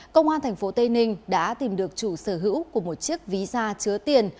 công an tp tây ninh đã tìm được chủ sở hữu của một chiếc ví da chứa tiền